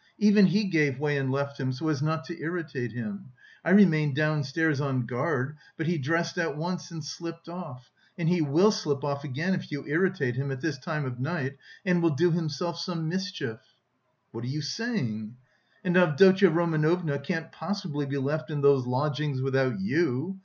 Even he gave way and left him, so as not to irritate him. I remained downstairs on guard, but he dressed at once and slipped off. And he will slip off again if you irritate him, at this time of night, and will do himself some mischief...." "What are you saying?" "And Avdotya Romanovna can't possibly be left in those lodgings without you.